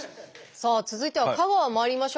さあ続いては香川まいりましょう。